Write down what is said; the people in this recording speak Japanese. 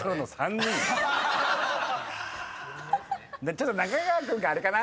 ちょっと中川君があれかな？